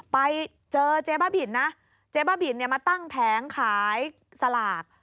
ไปเจอเจ๊บ้าบินนะเจ๊บ้าบินเนี่ยมาตั้งแผงขายสลาก